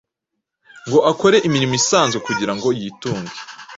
ngo akore imirimo isanzwe kugira ngo yitunge